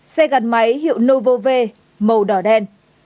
xe gắn máy hiệu novo v màu đỏ đen